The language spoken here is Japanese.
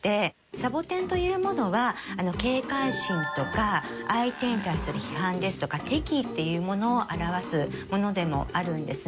サボテンというものは警戒心とか相手に対する批判ですとか敵意っていうものを表すものでもあるんですね。